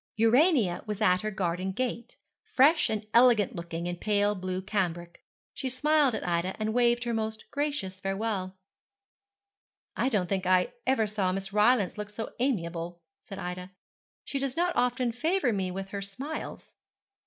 Urania was at her garden gate, fresh and elegant looking in pale blue cambric. She smiled at Ida, and waved her a most gracious farewell. 'I don't think I ever saw Miss Rylance look so amiable,' said Ida. 'She does not often favour me with her smiles.'